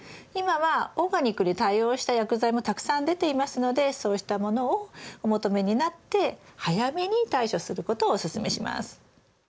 今はオーガニックに対応した薬剤もたくさん出ていますのでそうしたものをお求めになって早めに対処することをおすすめします。